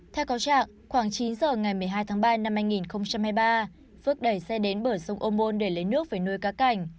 theo cáo trạng khoảng chín giờ ngày một mươi hai tháng ba năm hai nghìn hai mươi ba phước đẩy xe đến bờ sông ô môn để lấy nước về nuôi cá cảnh